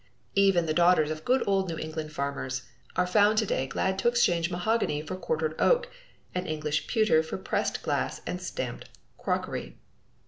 Even the daughters of good old New England farmers are found to day glad to exchange mahogany for quartered oak and English pewter for pressed glass and stamped crockery.